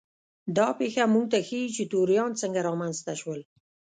دا پېښه موږ ته ښيي چې توریان څنګه رامنځته شول.